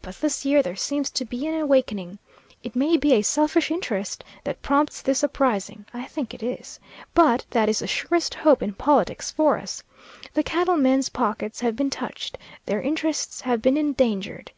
But this year there seems to be an awakening. It may be a selfish interest that prompts this uprising; I think it is. But that is the surest hope in politics for us. The cattle men's pockets have been touched, their interests have been endangered.